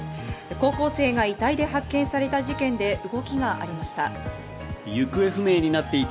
高校生が遺体で発見された事件で動きがありました。